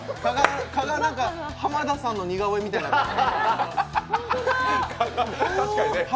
加賀、浜田さんの似顔絵みたいになってる。